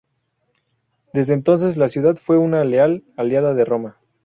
Desde entonces, la ciudad fue una leal aliada de Roma.